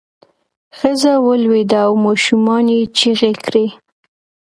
ښځه ولویده او ماشومانو یې چغې کړې.